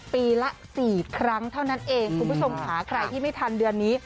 ปีละ๔ครั้งเท่านั้นเองคุณผู้ชมค่ะใครที่ไม่ทันเดือนนี้